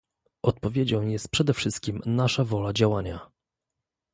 Odpowiedzią jest przede wszystkim nasza wola działania